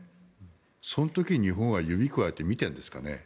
その時、日本は指をくわえて見ているんですかね。